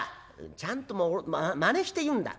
「ちゃんとまねして言うんだ。